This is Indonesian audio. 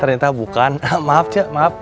ternyata bukan maaf cek maaf